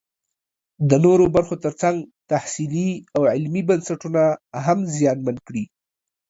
د نورو برخو ترڅنګ تحصیلي او علمي بنسټونه هم زیانمن کړي